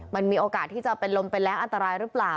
มันมีโอกาสที่จะล้มไปแล้วอันตรายหรือเปล่า